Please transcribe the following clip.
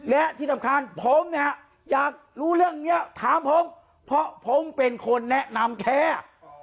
และที่สำคัญผมเนี่ยอยากรู้เรื่องนี้ถามผมเพราะผมเป็นคนแนะนำแค่